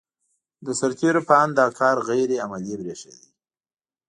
د سرتېرو په اند دا کار غیر عملي برېښېده.